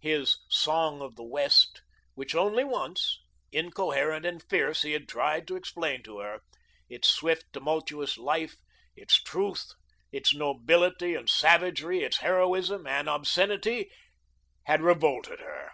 His "Song of the West," which only once, incoherent and fierce, he had tried to explain to her, its swift, tumultous life, its truth, its nobility and savagery, its heroism and obscenity had revolted her.